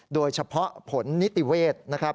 โดยเฉพาะผลนิติเวทย์